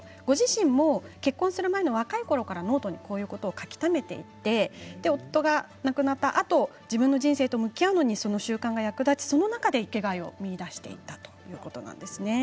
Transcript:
ご自身も結婚する前から若いころからのノートにこういうことを書きためていって夫が亡くなったあと自分の人生と向き合うのにその習慣が役立ちその中で生きがいを生み出していったということなんです。